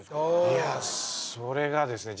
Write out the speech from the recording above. いやそれがですね